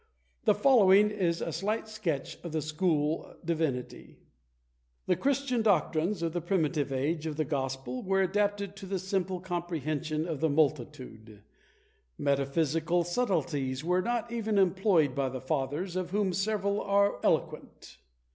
The following is a slight sketch of the school divinity. The christian doctrines in the primitive ages of the gospel were adapted to the simple comprehension of the multitude; metaphysical subtilties were not even employed by the Fathers, of whom several are eloquent.